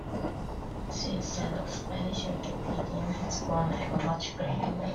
Since then, the Spanish Wikipedia has grown at a much greater rate.